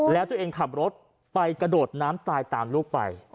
แล้วตัวเองขับรถไปกระโดดน้ำตายตามลูกไป